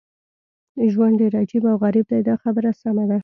ژوند ډېر عجیب او غریب دی دا خبره سمه ده.